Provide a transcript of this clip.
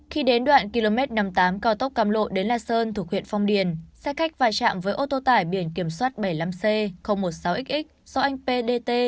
khi đến đoạn km năm mươi tám cao tốc càm lộ đến la sơn thuộc huyện phong điền xe khách vai trạm với ô tô tải biển kiểm soát bảy mươi năm c một mươi sáu xx do anh p d t